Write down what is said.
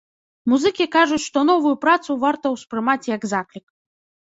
Музыкі кажуць, што новую працу варта ўспрымаць як заклік.